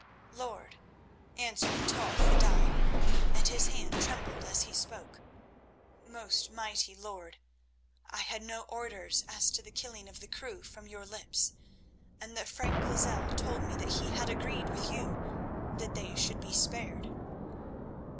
"Lord," answered the tall fedaï, and his hand trembled as he spoke, "most mighty lord, I had no orders as to the killing of the crew from your lips, and the Frank Lozelle told me that he had agreed with you that they should be spared."